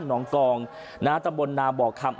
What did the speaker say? หนองกองตะบลน้าบอกคำ